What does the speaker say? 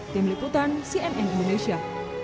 tim liputan cnn indonesia